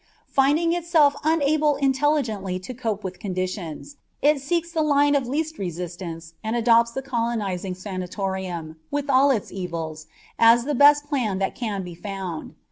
Finding itself unable intelligently to cope with conditions, it seeks the line of least resistance and adopts the colonizing sanatorium, with all its evils, as the best plan that can be found.